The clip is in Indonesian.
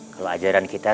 kalau ajaran kita